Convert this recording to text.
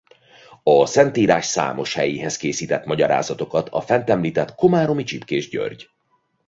A Szentírás számos helyéhez készített magyarázatokat a fent említett Komáromi Csipkés György.